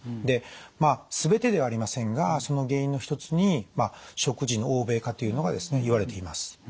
で全てではありませんがその原因の一つに食事の欧米化というのがですねいわれています。